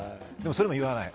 それも言わない。